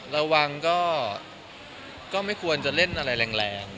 ระวังก็ไม่ควรจะเล่นอะไรแรง